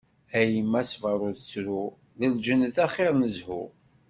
A yemma sber ur ttru, d lǧennet axir n zhu.